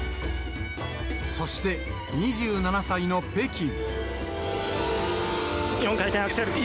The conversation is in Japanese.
そして、２７歳の北京。